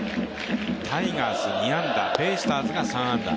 タイガース２安打、ベイスターズが３安打。